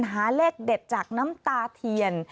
หาเลขเด็ดจากน้ำตาเทียน